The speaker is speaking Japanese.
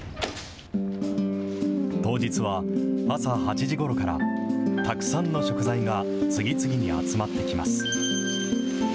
当日は朝８時ごろからたくさんの食材が次々に集まってきます。